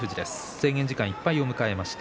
制限時間いっぱいを迎えました。